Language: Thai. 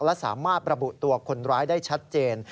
และสามารถระบุตัวคนร้ายได้ชัดเจน